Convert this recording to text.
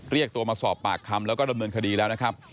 เรียกตัวมาสอบปากคำแล้วก็ดำเนินคดีแล้วนะครับ